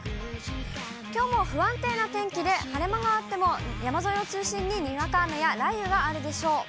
きょうも不安定な天気で、晴れ間があっても、山沿いを中心ににわか雨や雷雨があるでしょう。